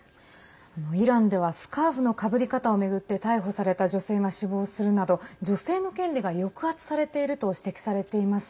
イランではスカーフのかぶり方を巡って逮捕された女性が死亡するなど女性の権利が抑圧されていると指摘されています。